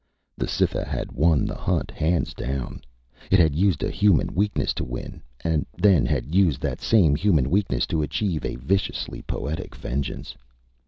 The Cytha had won the hunt hands down. It had used a human weakness to win and then had used that same human weakness to achieve a viciously poetic vengeance.